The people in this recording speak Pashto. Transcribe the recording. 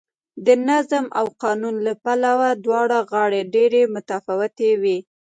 د نظم او قانون له پلوه دواړه غاړې ډېرې متفاوتې وې